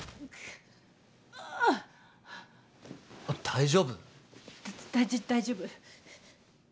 大丈夫？だ大丈夫。